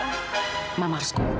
mama harus kuping